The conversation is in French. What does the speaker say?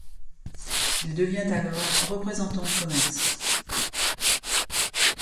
Il devient alors représentant de commerce.